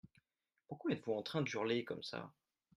Pourquoi êtes-vous en train d’hurler comme ça ?